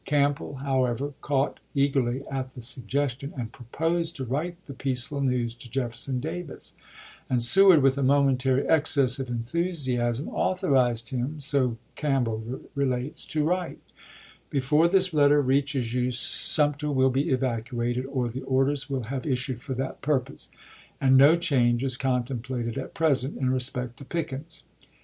Camp bell, however, caught eagerly at the suggestion, and proposed to write the peaceful news to Jeffer son Davis ; and Seward, with a momentary excess of enthusiasm, authorized him (so Campbell re lates) to write: "Before this letter reaches you Sumter will be evacuated, or the orders will have issued for that purpose — and no change is con templated at present in respect to Pickens."